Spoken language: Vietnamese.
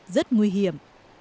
rất nguy hiểm